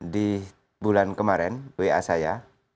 di bulan kemarin wa saya